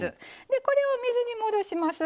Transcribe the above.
でこれを水に戻します。